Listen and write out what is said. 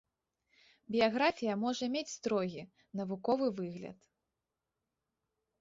Біяграфія можа мець строгі, навуковы выгляд.